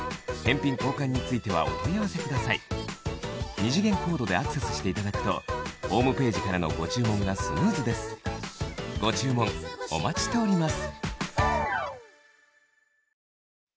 二次元コードでアクセスしていただくとホームページからのご注文がスムーズですご注文お待ちしております